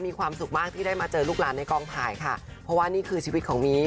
มีความสุขมากที่ได้มาเจอลูกหลานในกองถ่ายค่ะเพราะว่านี่คือชีวิตของมี